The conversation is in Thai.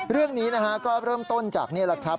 เรื่องนี้นะฮะก็เริ่มต้นจากนี่แหละครับ